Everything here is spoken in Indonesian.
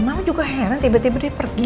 mama juga heran tiba tiba dia pergi